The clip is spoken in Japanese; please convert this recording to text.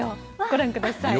ご覧ください。